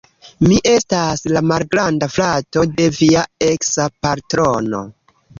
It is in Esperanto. Mi estas la malgranda frato de via eksa patrono